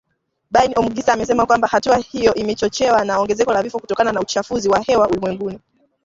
Bain Omugisa amesema kwamba hatua hiyo imechochewa na ongezeko la vifo kutokana na uchafuzi wa hewa ulimwenguni